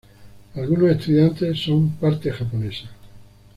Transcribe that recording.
Algunos estudiantes son parte japonesa.